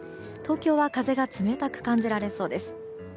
東京は風が冷たく感じられそうです。